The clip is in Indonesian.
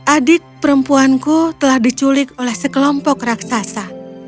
adik perempuanku telah diculik oleh sekelompok raksasa